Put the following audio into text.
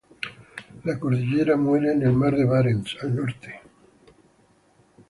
La cordillera muere en el mar de Barents al norte.